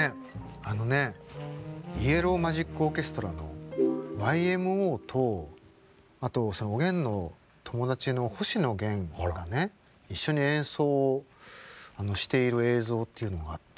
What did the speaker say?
あのねイエロー・マジック・オーケストラのＹＭＯとあとおげんの友達の星野源がね一緒に演奏をしている映像っていうのがあって。